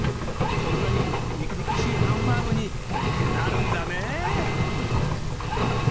こんなに肉肉しいハンバーグになるんだね！